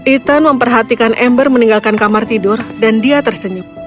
ethan memperhatikan ember meninggalkan kamar tidur dan dia tersenyum